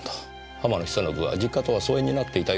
浜野久信は実家とは疎遠になっていたようですね。